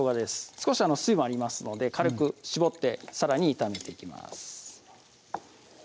少し水分ありますので軽く絞ってさらに炒めていきます